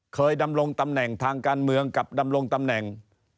ดำรงตำแหน่งทางการเมืองกับดำรงตำแหน่ง